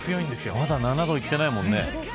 まだ７度いってないもんね。